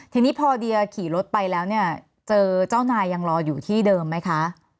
ทีนี้พอเดียขี่รถไปแล้วเนี่ยเจอเจ้านายยังรออยู่ที่เดิมไหมคะ